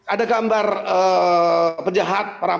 ada gambar penjahat